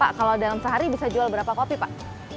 pak kalau dalam sehari bisa jual berapa kopi pak